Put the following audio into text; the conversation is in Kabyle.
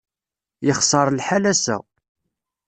Yexṣer lḥal ass-a.